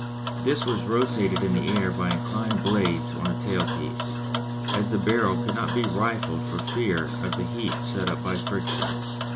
This was rotated in the air by inclined blades on a tailpiece, as the barrel could not be rifled for fear of the heat set up by friction.